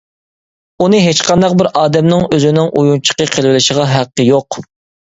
ئۇنى ھېچقانداق بىر ئادەمنىڭ ئۆزىنىڭ ئويۇنچۇقى قىلىۋېلىشىغا ھەققى يوق.